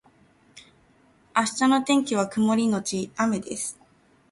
明日の天気は曇りのち雨です